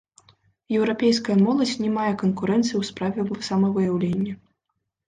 Еўрапейская моладзь не мае канкурэнцыі ў справе самавыяўлення.